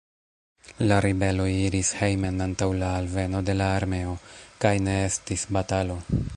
La ribeloj iris hejmen antaŭ la alveno de la armeo, kaj ne estis batalo.